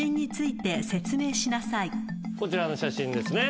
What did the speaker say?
こちらの写真ですね。